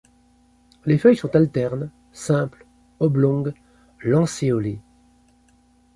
Les feuilles sont alternes, simples, oblongues-lancéolées.